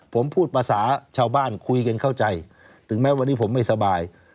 ผมพูดภาษาชาวบ้านคุยกันเข้าใจถึงแม้วันนี้ผมไม่สบาย